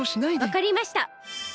わかりました！